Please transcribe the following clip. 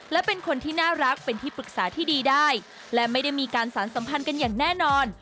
และเป็นคนที่น่ารักเป็นที่ปรึกษาที่ดีได้และไม่ได้มีการสารสัมพันธ์กันอย่างแน่นอน